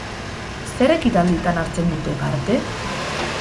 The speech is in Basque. Zer ekitalditan hartzen dute parte?